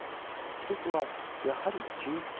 １つは、やはり給付金。